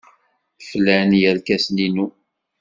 Flan yirkasen-inu.